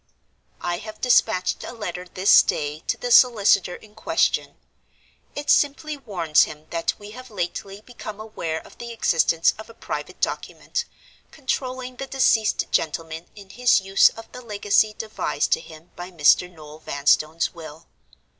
"I have dispatched a letter this day to the solicitor in question. It simply warns him that we have lately become aware of the existence of a private Document, controlling the deceased gentleman in his use of the legacy devised to him by Mr. Noel Vanstone's will.